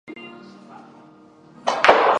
一番折腾后她回到家里